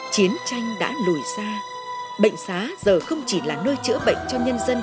chiến tranh đã lùi xa bệnh xá giờ không chỉ là nơi chữa bệnh cho nhân dân